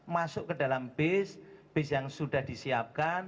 masuk ke dalam base base yang sudah disiapkan